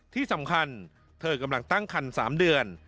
ที่สำคัญเธอกำลังตั้งคัน๓เดือน